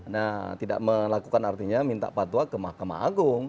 nah tidak melakukan artinya minta patwa ke mahkamah agung